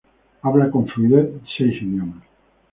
Habla con fluidez seis idiomas.